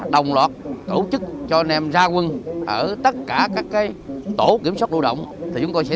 đồng loạt tổ chức cho anh em ra quân ở tất cả các tổ kiểm soát lưu động thì chúng tôi sẽ